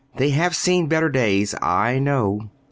They have seen better days, I know.